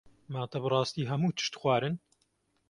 Ma te bi rastî hemû tişt xwarin.